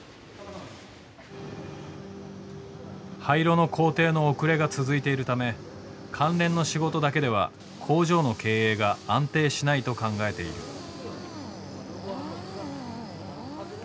廃炉の工程の遅れが続いているため関連の仕事だけでは工場の経営が安定しないと考えている。